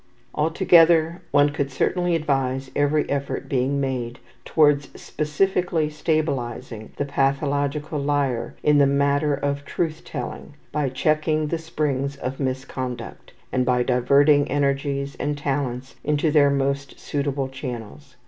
All together, one would certainly advise every effort being made towards specifically stabilizing the pathological liar in the matter of truth telling by checking the springs of misconduct, and by diverting energies and talents into their most suitable channels.